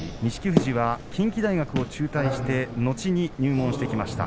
富士は近畿大学を中退して後に入門してきました。